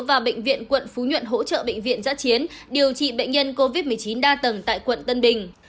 và bệnh viện quận phú nhuận hỗ trợ bệnh viện giã chiến điều trị bệnh nhân covid một mươi chín đa tầng tại quận tân bình